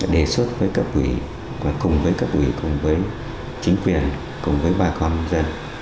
đề xuất với cấp ủy và cùng với cấp ủy cùng với chính quyền cùng với bà con dân